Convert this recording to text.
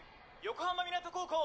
横浜湊高校。